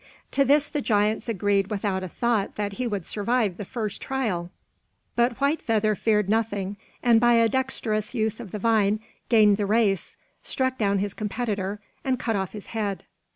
To this the giants agreed without a thought that he would survive the first trial. But White Feather feared nothing and, by a dexterous use of the vine, gained the race, struck down his competitor, and cut off his head.